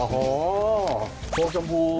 โค้งจำพู